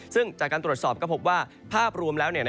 ซึ่งจากการตรวจสอบก็พบว่าภาพรวมแล้ว